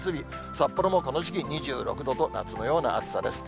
札幌もこの時期、２６度と夏のような暑さです。